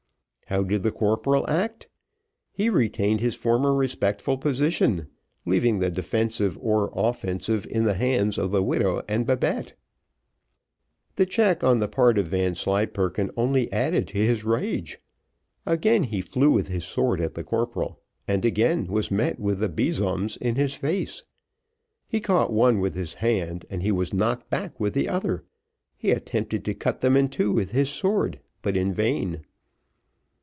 How did the corporal act? He retained his former respectful position, leaving the defensive or offensive in the hands of the widow and Babette. This check on the part of Vanslyperken only added to his rage. Again he flew with his sword at the corporal, and again he was met with the besoms in his face. He caught one with his hand, and he was knocked back with the other. He attempted to cut them in two with his sword, but in vain.